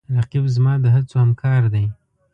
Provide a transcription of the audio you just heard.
رقیب زما د هڅو همکار دی